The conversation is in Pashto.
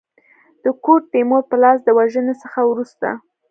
د ګوډ تیمور په لاس د وژني څخه وروسته.